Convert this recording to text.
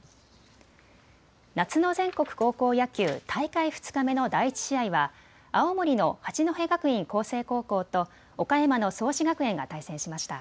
夏の全国高校野球、大会２日目の第１試合は青森の八戸学院光星高校と岡山の創志学園が対戦しました。